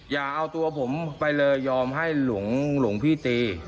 อย่าเอาตัวผมไปเลยยอมให้หลวงพี่ตี